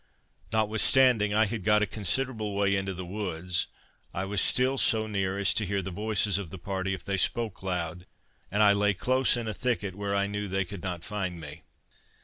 Notwithstanding I had got a considerable way into the woods, I was still so near as to hear the voices of the party if they spoke loud, and I lay close in a thicket where I knew they could not find me.